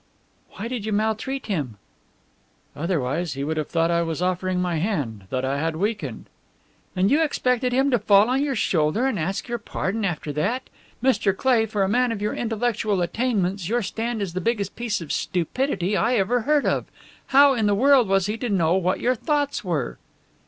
"Why did you maltreat him?" "Otherwise he would have thought I was offering my hand, that I had weakened." "And you expected him to fall on your shoulder and ask your pardon after that? Mr. Cleigh, for a man of your intellectual attainments, your stand is the biggest piece of stupidity I ever heard of! How in the world was he to know what your thoughts were?"